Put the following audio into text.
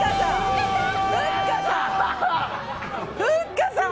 ふっかさん！